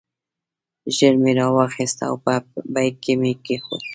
ژر مې راواخیست او په بیک کې مې کېښود.